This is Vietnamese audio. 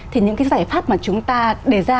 thì những cái giải pháp mà chúng ta đề ra